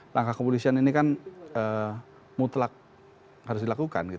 langkah kepolisian ini kan mutlak harus dilakukan